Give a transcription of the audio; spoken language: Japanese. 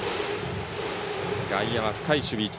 外野は深い守備位置。